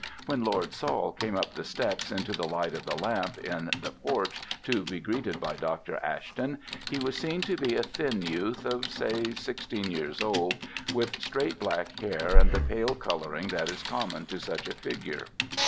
When Lord Saul came up the steps into the light of the lamp in the porch to be greeted by Dr. Ashton, he was seen to be a thin youth of, say, sixteen years old, with straight black hair and the pale colouring that is common to such a figure.